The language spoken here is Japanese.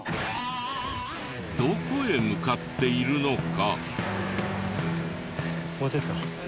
どこへ向かっているのか。